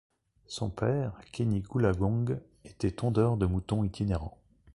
Son père, Kenny Goolagong, était tondeur de moutons itinérant.